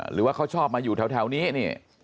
หรือว่าเขาชอบมาอยู่แถวนี้นี่